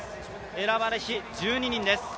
選ばれし１２人です。